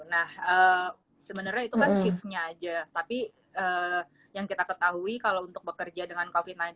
nah sebenarnya itu kan shiftnya aja tapi yang kita ketahui kalau untuk bekerja dengan covid sembilan belas